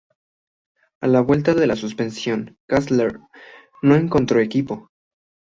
A la vuelta de su suspensión, Kessler no encontró equipo.